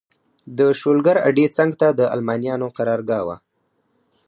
د شولګر اډې څنګ ته د المانیانو قرارګاه وه.